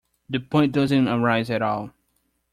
The point doesn't arise at all.